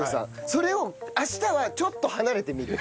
それを明日はちょっと離れてみる。